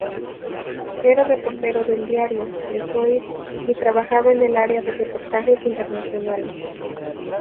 Era reportero del diario "Le Soir" y trabajaba en el área de reportajes internacionales.